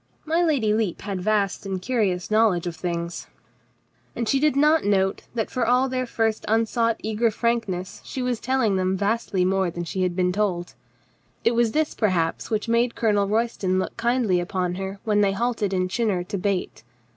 My Lady Lepe had vast and curious knowledge of things. ... And she did not note that for all their first un sought eager frankness she was telling them vastly LADY LEPE MEETS TWIN BRETHREN 15 more than she had been told. It was this, perhaps, which made Colonel Royston look kindly upon her when they halted in Chinnor to bait.